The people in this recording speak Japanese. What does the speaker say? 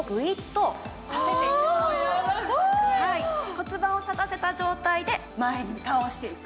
骨盤を立たせた状態で、前に倒していく。